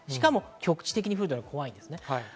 局地的に降るのが怖いです。